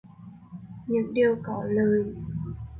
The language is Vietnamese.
những điều có lợi.